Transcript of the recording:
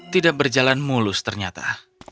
tidak berjalan mulus ternyata